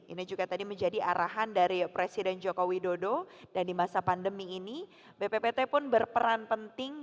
ini juga tadi menjadi arahan dari presiden joko widodo dan di masa pandemi ini bppt pun berperan penting